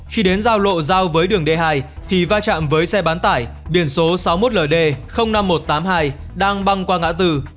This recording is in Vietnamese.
khi đến giao lộ giao với đường d hai thì va chạm với xe bán tải biển số sáu mươi một ld năm nghìn một trăm tám mươi hai đang băng qua ngã tư